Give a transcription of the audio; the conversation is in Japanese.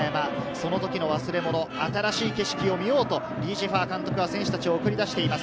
その時の忘れ物、新しい景色を見ようと、李済華監督が選手たちを送り出しています。